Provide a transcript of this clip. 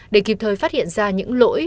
để kịp thời phát hiện ra những lỗi